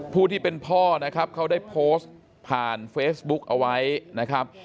ผู้ที่เป็นพ่อนะครับเขาได้โพสต์ผ่านเฟซบุ๊กเอาไว้นะครับ